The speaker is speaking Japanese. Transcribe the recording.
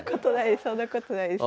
そんなことないです。